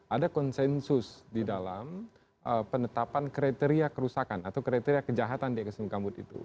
ada konsensus di dalam penetapan kriteria kerusakan atau kriteria kejahatan di ekosistem gambut itu